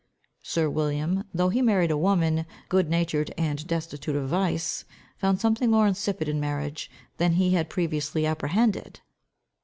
Sir William, though he married a woman, good natured, and destitute of vice, found something more insipid in marriage, than he had previously apprehended.